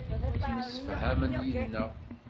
Ttemsefhamen yid-neɣ.